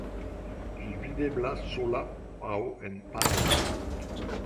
Ĝi videblas sola aŭ en paroj.